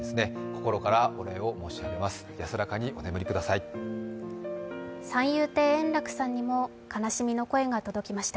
心からお礼を申し上げます。